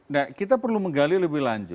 nah kita perlu menggali lebih lanjut